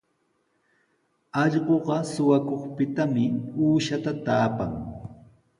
Allquqa suqakuqpitami uushata taapan.